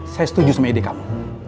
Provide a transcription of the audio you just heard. saya setuju sama ide kamu